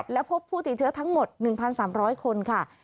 และพบผู้ติดเชื้อทั้งหมด๑๓๐๐คนค่ะ